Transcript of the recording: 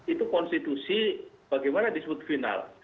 itu konstitusi bagaimana disebut final